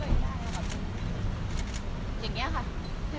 มีลูกกับผู้หญิงอีกคนนึงแล้ว